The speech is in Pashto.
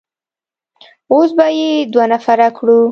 اوس به يې دوه نفره کړو.